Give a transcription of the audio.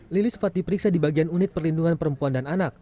lili sempat diperiksa di bagian unit perlindungan perempuan dan anak